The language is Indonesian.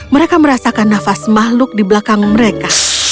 mereka merasakan nafas makhluk di belakang mereka